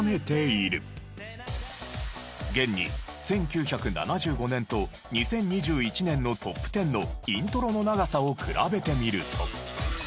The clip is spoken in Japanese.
現に１９７５年と２０２１年のトップ１０のイントロの長さを比べてみると。